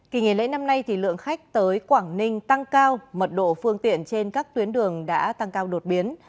kỳ nghỉ lễ năm nay lượng khách tới quảng ninh tăng cao mật độ phương tiện trên các tuyến đường đã tăng cao đột biến